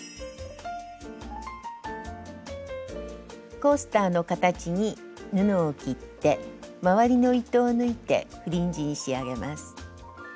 コースターの形に布を切って周りの糸を抜いてフリンジに仕上げます。